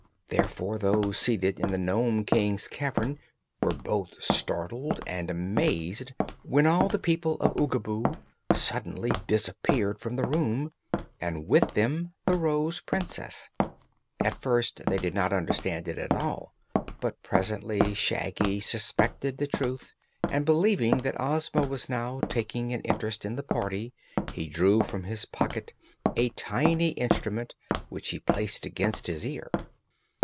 Therefore those seated in the Nome King's cavern were both startled and amazed when all the people of Oogaboo suddenly disappeared from the room, and with them the Rose Princess. At first they could not understand it at all; but presently Shaggy suspected the truth, and believing that Ozma was now taking an interest in the party he drew from his pocket a tiny instrument which he placed against his ear.